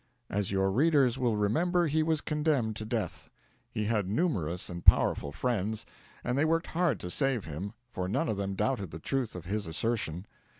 As your readers will remember, he was condemned to death. He had numerous and powerful friends, and they worked hard to save him, for none of them doubted the truth of his assertion.